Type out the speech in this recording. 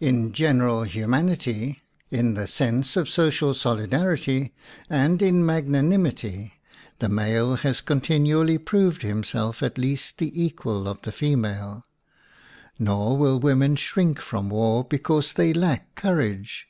In general humanity, in the sense of WOMAN AND WAR social solidarity, and in magnanimity, the male has continually proved him self at least the equal of the female. Nor will women shrink from war be cause they lack courage.